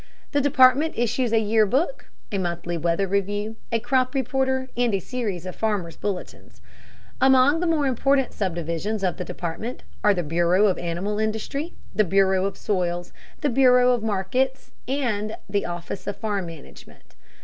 The Department issues a Year book, a Monthly Weather Review, a Crop Reporter, and a series of Farmers' Bulletins. Among the more important subdivisions of the department are the bureau of animal industry, the bureau of soils, the bureau of markets, and the office of farm management.